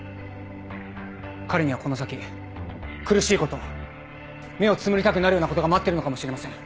彼にはこの先苦しいこと目をつむりたくなるようなことが待ってるのかもしれません。